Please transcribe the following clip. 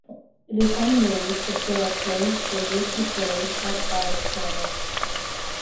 It is unknown if there are plans to release the film outside of China.